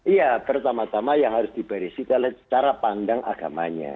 iya pertama tama yang harus diberesin adalah cara pandang agamanya